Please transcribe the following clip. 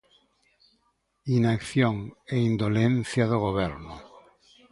Inacción e indolencia do Goberno.